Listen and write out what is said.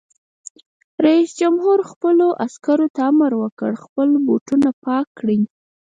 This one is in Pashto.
رئیس جمهور خپلو عسکرو ته امر وکړ؛ خپل بوټونه پاک کړئ!